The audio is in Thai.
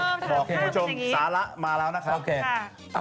ขอบคุณผู้ชมสาระมาแล้วนะครับ